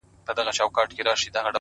گرا ني خبري سوې پرې نه پوهېږم;